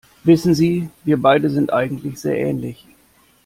Wissen Sie, wir beide sind eigentlich sehr ähnlich.